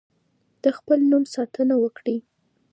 د خپل نوم ساتنه وکړئ.